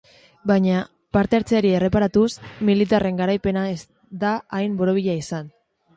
Baina, parte hartzeari erreparatuz, militarren garaipena ez da hain borobila izan.